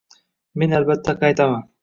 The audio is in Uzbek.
Men, albatta, qaytaman